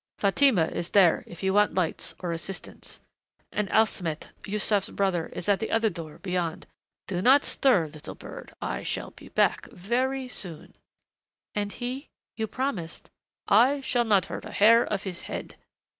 "Fatima is there if you want lights or assistance.... And Alsamit, Yussuf's brother, is at the other door beyond. Do not stir, little bird. I shall be back very soon." "And he you promised " "I shall not hurt a hair of his head."